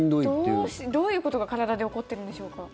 それはどういうことが体で起こってるんでしょうか？